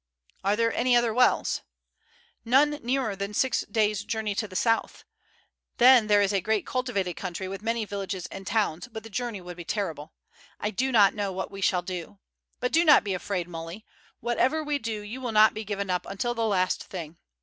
"Are there any other wells?" "None nearer than six days' journey to the south. Then there is a great cultivated country with many villages and towns, but the journey would be terrible. I do not know what we shall do. But do not be afraid, Muley; whatever we do you will not be given up until the last thing.